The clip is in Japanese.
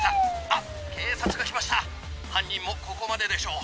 「あっ警察が来ました犯人もここまででしょう」